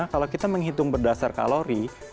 kalau kita menghitung berdasar kalori